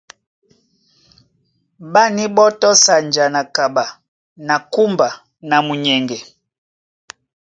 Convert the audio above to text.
Ɓá níɓɔ́tɔ́ sanja na kaɓa na kúmba na munyɛŋgɛ.